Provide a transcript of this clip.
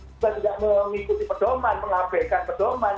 juga tidak mengikuti pedoman mengabaikan pedoman